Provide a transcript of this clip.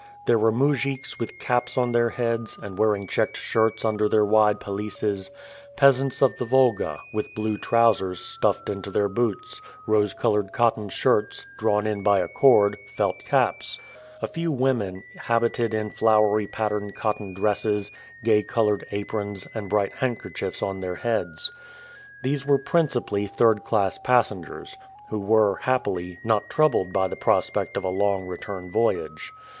There were mujiks with caps on their heads, and wearing checked shirts under their wide pelisses; peasants of the Volga, with blue trousers stuffed into their boots, rose colored cotton shirts, drawn in by a cord, felt caps; a few women, habited in flowery patterned cotton dresses, gay colored aprons, and bright handkerchiefs on their heads. These were principally third class passengers, who were, happily, not troubled by the prospect of a long return voyage.